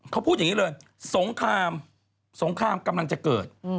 เขาพูดอย่างนี้เลยสงครามสงครามกำลังจะเกิด